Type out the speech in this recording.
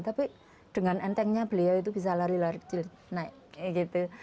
tapi dengan entengnya beliau itu bisa lari lari kecil naik kayak gitu